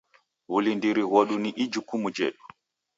W'ulindiri ghodu ni ijukumu jhedu.